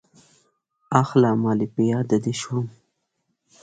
اخله مالې په ياده دې شوم.